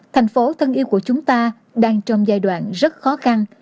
thành phố thân yêu của chúng ta đang trong giai đoạn rất khó khăn